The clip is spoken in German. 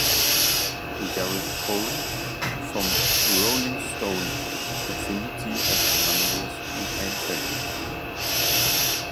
Gerrit Pohl vom "Rolling Stone" empfindet sie als „belanglos“ und „einfältig“.